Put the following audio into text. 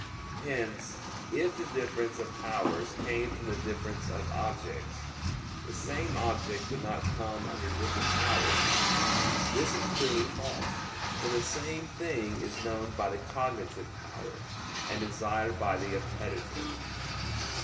Hence if the difference of powers came from the difference of objects, the same object would not come under different powers. This is clearly false; for the same thing is known by the cognitive power, and desired by the appetitive.